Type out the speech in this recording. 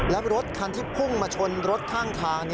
และรถคันที่พุ่งมาชนรถข้างทาง